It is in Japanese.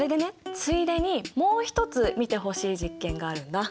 ついでにもう一つ見てほしい実験があるんだ。